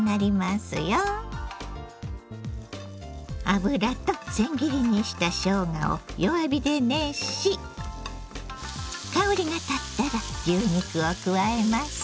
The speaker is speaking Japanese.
油とせん切りにしたしょうがを弱火で熱し香りがたったら牛肉を加えます。